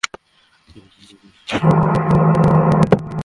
পরে আহতদের হাসপাতালে নেওয়ার পথে আশরাফুল ইসলাম নামে আরেকজন মারা যান।